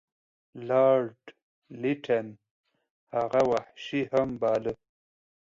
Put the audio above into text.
لارډ لیټن هغه وحشي هم باله.